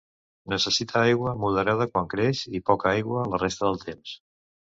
Necessita aigua moderada quan creix i poca aigua la resta del temps.